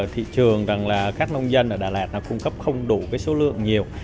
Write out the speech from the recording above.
thị trường các nông dân ở đà lạt cung cấp không đủ số lượng nhiều